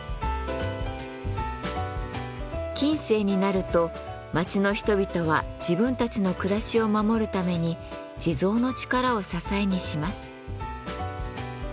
近世になると町の人々は自分たちの暮らしを守るために地蔵の力を支えにします。